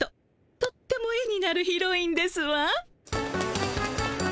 とっても絵になるヒロインですわ。